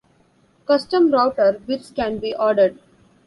Custom router bits can be ordered.